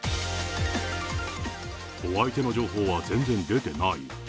お相手の情報は全然出てない？